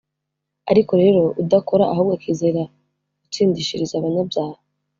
Ariko rero udakora, ahubwo akizera Utsindishiriza abanyabyaha,